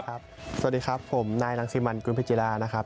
สวัสดีครับผมนายรังสิมันกุลพิจิลานะครับ